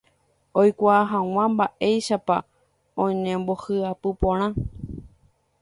oikuaa hag̃ua mba'éichapa oñembohyapu porã.